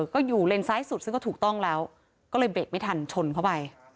ก็อยู่เลนซ้ายสุดซึ่งก็ถูกต้องแล้วก็เลยเบรกไม่ทันชนเข้าไป